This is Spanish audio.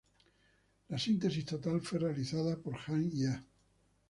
La síntesis total fue realizada por Han-ya